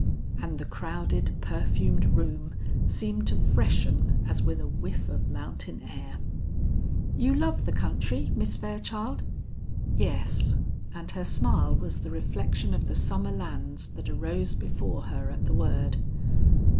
And the crowded perfumed room seemed to freshen as with a whiff of mountain air. "You love the country, Miss Fairchild?" "Yes;" and her smile was the reflection of the summer lands that arose before her at the word.